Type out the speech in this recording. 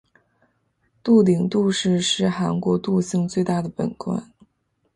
杜陵杜氏是韩国杜姓最大的本贯。